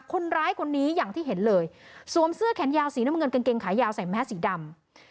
คนร้ายคนนี้อย่างที่เห็นเลยสวมเสื้อแขนยาวสีน้ำเงินกางเกงขายาวใส่แมสสีดำ